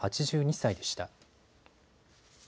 ８２歳でした。